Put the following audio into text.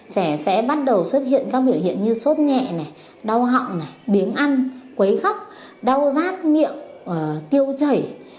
trẻ sẽ bắt đầu xuất hiện các biểu hiện như sốt nhẹ này đau họng biếng ăn quấy khóc đau rát miệng tiêu chảy